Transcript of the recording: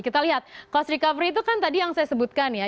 kita lihat cost recovery itu kan tadi yang saya sebutkan ya